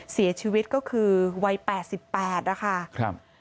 เสียชีวิตก็คือวัย๘๘นะคะครับครับ